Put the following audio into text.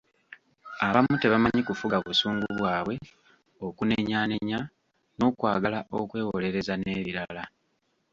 Abamu tebamanyi kufuga busungu bwabwe, okunenyaanenya, n’okwagala okwewolereza n’ebirala .